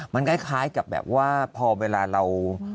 มันคล้ายกับแบบว่าพอเวลาเรา